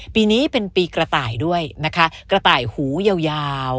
ปีนี้เป็นปีกระต่ายด้วยนะคะกระต่ายหูยาว